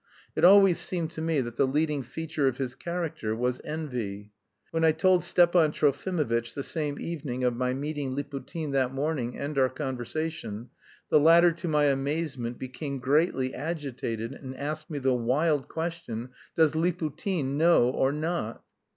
It always seemed to me that the leading feature of his character was envy. When I told Stepan Trofimovitch the same evening of my meeting Liputin that morning and our conversation, the latter to my amazement became greatly agitated, and asked me the wild question: "Does Liputin know or not?"